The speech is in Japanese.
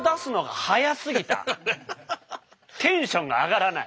テンションが上がらない。